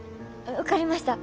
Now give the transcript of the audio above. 分かりました。